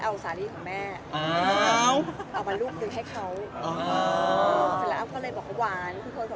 เค้าซื้อแจกทุกคนเลยนะฮะทุกคนนะฮะ